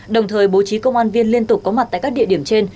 đồng thời bố trí công an viên liên tục có mặt tại các địa điểm trên